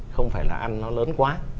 không phải là ăn nó lớn quá